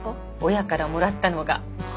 親からもらったのが。